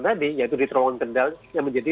tadi yaitu di terowongan kendal yang menjadi